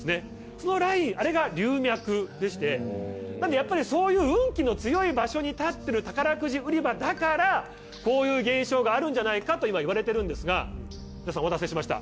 そのラインあれが龍脈でしてなんでやっぱりそういう運気の強い場所に建ってる宝くじ売り場だからこういう現象があるんじゃないかと今いわれているんですが皆さんお待たせしました。